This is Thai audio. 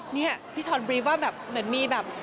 นี่พี่ช้อนบรีฟว่าแบบเหมือนมีแบบ